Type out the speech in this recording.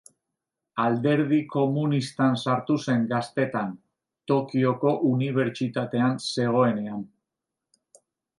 Alderdi komunistan sartu zen gaztetan, Tokioko unibertsitatean zegoenean.